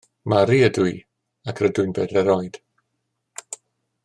Mari ydw i ac rydw i'n bedair oed